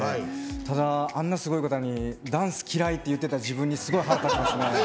ただ、あんなすごい方にダンス嫌いっていってた自分にすごい腹立ちますね。